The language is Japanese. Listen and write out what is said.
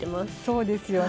そうですよね。